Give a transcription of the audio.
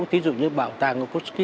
ví dụ như bảo tàng của kurskina